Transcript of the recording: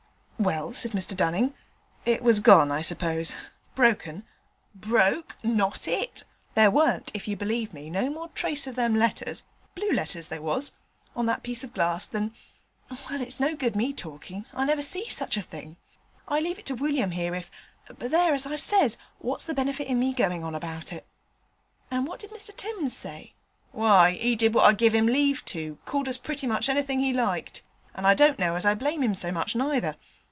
'Well,' said Mr Dunning, 'it was gone, I suppose. Broken?' 'Broke! not it. There warn't, if you'll believe me, no more trace of them letters blue letters they was on that piece o' glass, than well, it's no good me talkin'. I never see such a thing. I leave it to William here if but there, as I says, where's the benefit in me going on about it?' 'And what did Mr Timms say?' 'Why 'e did what I give 'im leave to called us pretty much anythink he liked, and I don't know as I blame him so much neither.